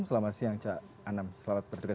selamat siang ca anam selamat berjalan